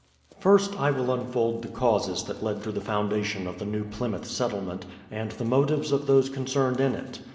First I will unfold the causes that led to the foundation of the New Plymouth Settlement, and the motives of those concerned in it.